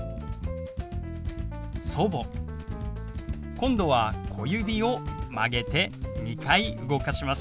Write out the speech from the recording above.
今度は小指を曲げて２回動かします。